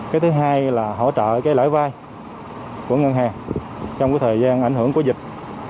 cái thứ hai là hỗ trợ cái lãi vai của ngân hàng trong cái thời gian ảnh hưởng của dịch